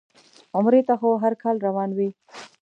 عمرې ته خو هر کال روان وي.